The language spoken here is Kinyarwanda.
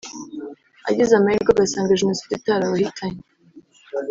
agize amahirwe agasanga Jenoside itarabahitanye